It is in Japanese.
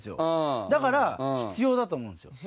だから必要だと思うんですよ。